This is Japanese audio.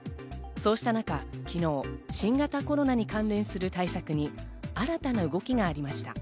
そうした中昨日、新型コロナに関連する対策に新たな動きがありました。